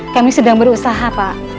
kami sedang berusaha pak